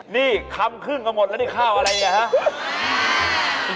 นี่คำครึ่งก็หมดแล้วนี่ข้าวอะไรเนี่ยฮะ